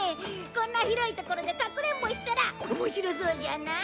こんな広い所でかくれんぼしたら面白そうじゃない？